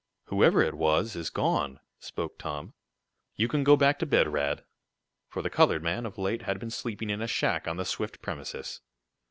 "Whoever it was, is gone," spoke Tom. "You can go back to bed, Rad," for the colored man, of late, had been sleeping in a shack on the Swift premises.